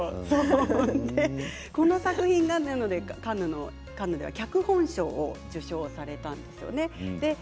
この作品はカンヌでは脚本賞を受賞されたんですね。